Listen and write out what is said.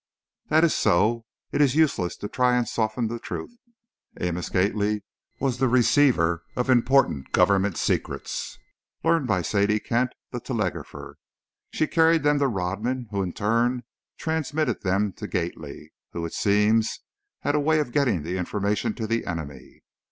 "That is so; it is useless to try to soften the truth. Amos Gately was the receiver of important Government secrets, learned by Sadie Kent, the telegrapher. She carried them to Rodman, who in turn transmitted them to Gately, who, it seems, had a way of getting the information to the enemy.